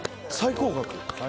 最高額？